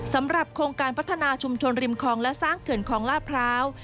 สำหรับโครงการพัฒนาชุมชนริมคลองและสร้างเขื่อนของลาดพร้าว